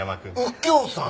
右京さん！？